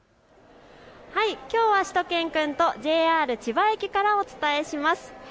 きょうはしゅと犬くんとＪＲ千葉駅からお伝えします。